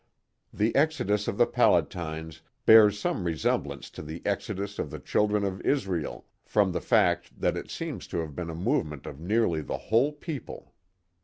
The exodus of the Palatines bears some resemblance to the exodus of the children of Israel, from the fact that it seems to have been a movement of nearly the whole people.